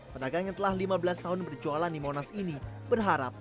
pedagang yang telah lima belas tahun berjualan di monas ini berharap